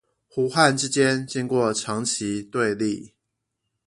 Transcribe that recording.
胡漢之間經過長期對立